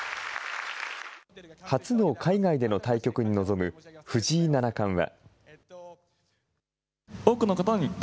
初の海外での対局に臨む藤井七冠は。